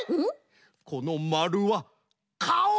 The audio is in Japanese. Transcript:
このまるはかお！